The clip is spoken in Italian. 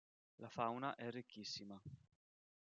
La fauna è ricchissima.